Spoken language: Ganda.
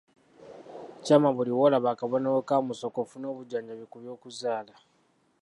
Kyama buli w'olaba akabonero ka musoke ofune obujjanjabi ku by'okuzaala.